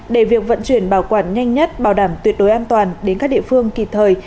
để việc vận chuyển bảo quản nhanh nhất bảo đảm tuyệt đối an toàn đến các địa phương kịp thời